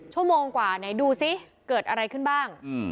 ชั่วโมงกว่าไหนดูซิเกิดอะไรขึ้นบ้าง